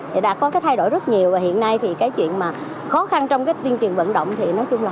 thì đã có cái thay đổi rất nhiều và hiện nay thì cái chuyện mà khó khăn trong cái tuyên truyền vận động thì nói chung là